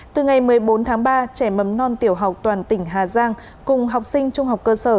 từ ngày một mươi bốn tháng ba trẻ mầm non tiểu học toàn tỉnh hà giang cùng học sinh trung học cơ sở